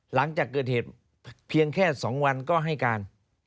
หลังจากเกิดเหตุเพียงแค่๒วันก็ให้การ